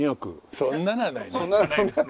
そんなのはないね。